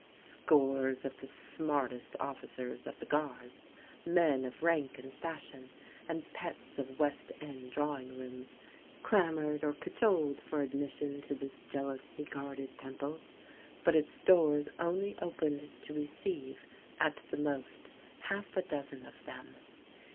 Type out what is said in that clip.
Scores of the smartest officers of the Guards, men of rank and fashion, and pets of West End drawing rooms, clamoured or cajoled for admission to this jealously guarded temple, but its doors only opened to receive, at the most, half a dozen of them.